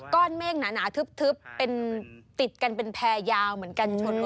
เมฆหนาทึบเป็นติดกันเป็นแพร่ยาวเหมือนกันชนก็